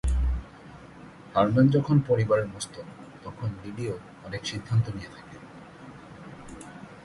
হারম্যান যখন পরিবারের মস্তক, তখন লিলিও অনেক সিদ্ধান্ত নিয়ে থাকে।